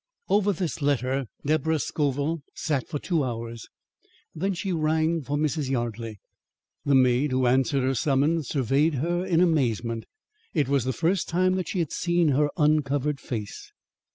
Over this letter Deborah Scoville sat for two hours, then she rang for Mrs. Yardley. The maid who answered her summons surveyed her in amazement. It was the first time that she had seen her uncovered face.